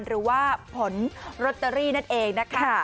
หรือว่าผลลอตเตอรี่นั่นเองนะคะ